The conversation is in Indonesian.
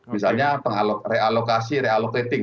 misalnya realokasi realokating